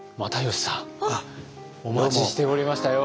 お待ちしておりましたよ。